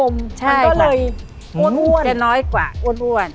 มันก็เลยโอน